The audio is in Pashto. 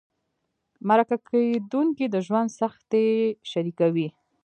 مرکه کېدونکي د ژوند سختۍ شریکوي.